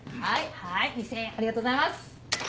はい２０００円ありがとうございます。